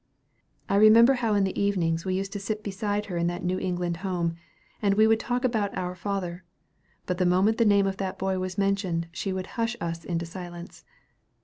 I remember how in the evenings we used to sit beside her in that New England home, and we would talk about our father; but the moment the name of that boy was mentioned she would hush us into silence.